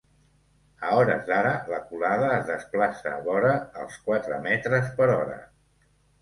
A hores d’ara la colada es desplaça vora els quatre metres per hora.